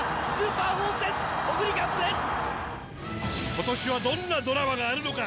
今年はどんなドラマがあるのか。